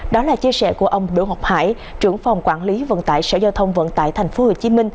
đó là chia sẻ của ông đỗ ngọc hải trưởng phòng quản lý vận tải sở giao thông vận tải tp hcm